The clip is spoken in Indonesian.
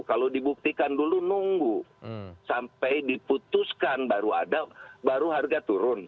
kalau dibuktikan dulu nunggu sampai diputuskan baru ada baru harga turun